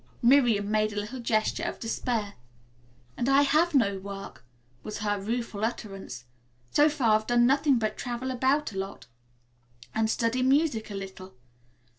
Miriam made a little gesture of despair. "And I have no work," was her rueful utterance. "So far, I've done nothing but travel about a lot, and study music a little.